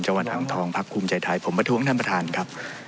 จังหวัดอ่างทองพักภูมิใจไทยผมประท้วงท่านประธานครับ